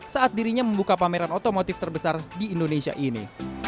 saat dirinya membuka pameran otomotif terbesar di indonesia ini